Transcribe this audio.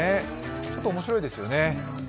ちょっと面白いですよね。